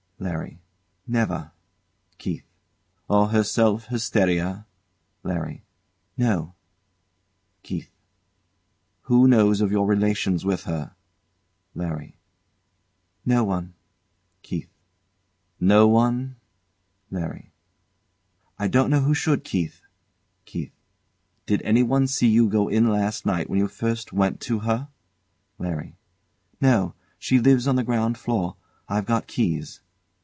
LARRY. Never. KEITH. Or herself hysteria? LARRY. No. KEITH. Who knows of your relations with her? LARRY. No one. KEITH. No one? LARRY. I don't know who should, Keith. KEITH. Did anyone see you go in last night, when you first went to her? LARRY. No. She lives on the ground floor. I've got keys.